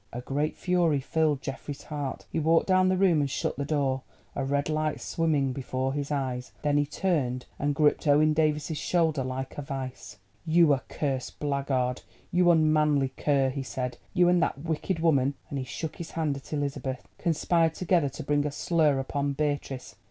A great fury filled Geoffrey's heart. He walked down the room and shut the door, a red light swimming before his eyes. Then he turned and gripped Owen Davies's shoulder like a vice. "You accursed blackguard—you unmanly cur!" he said; "you and that wicked woman," and he shook his hand at Elizabeth, "conspired together to bring a slur upon Beatrice.